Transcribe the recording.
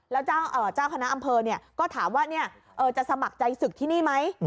แล้วเจ้าคณะอำเภอก็ถามว่าจะสมัครใจศึกที่นี่ไหม